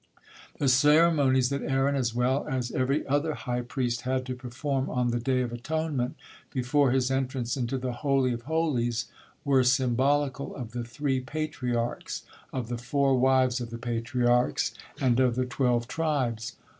The ceremonies that Aaron, as well as every other high priest, had to perform on the Day of Atonement before his entrance into the Holy of Holies were symbolical of the three Patriarchs, of the four wives of the Patriarchs, and of the twelve tribes.